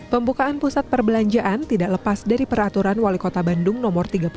pembukaan pusat perbelanjaan tidak lepas dari peraturan wali kota bandung no tiga puluh satu